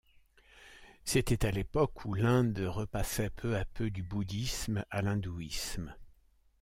C'était à l'époque où l'Inde repassait peu à peu du bouddhisme à l'hindouisme.